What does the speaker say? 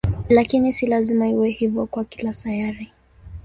Lakini si lazima iwe hivyo kwa kila sayari.